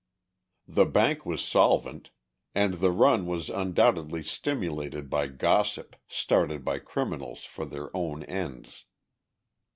The bank was solvent, and the run was undoubtedly stimulated by gossip started by criminals for their own ends.